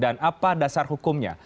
dan apa dasar hukumnya